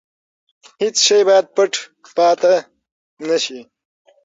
هیڅ شی باید پټ پاتې نه شي.